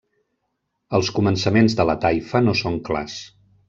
Els començaments de la taifa no són clars.